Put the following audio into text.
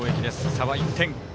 差は１点。